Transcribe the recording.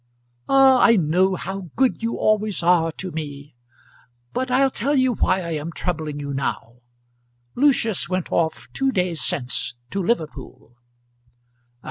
"Ah! I know how good you always are to me. But I'll tell you why I am troubling you now. Lucius went off two days since to Liverpool."